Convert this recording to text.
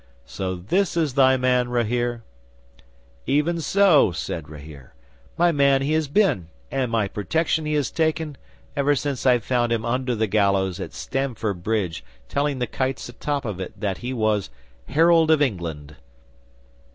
"So this is thy man, Rahere?" '"Even so," said Rahere. "My man he has been, and my protection he has taken, ever since I found him under the gallows at Stamford Bridge telling the kites atop of it that he was Harold of England!"